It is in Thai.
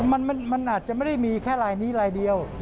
มันอาจจะไม่ได้มีแค่ลายนี้ลายเดียว